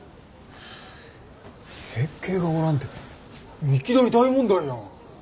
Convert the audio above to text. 設計がおらんていきなり大問題やん。